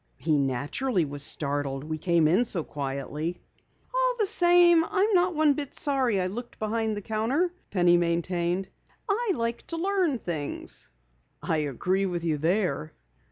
"He naturally was startled. We came in so quietly." "All the same, I'm not one bit sorry I looked behind the counter," Penny maintained. "I like to learn about things." "I agree with you there!"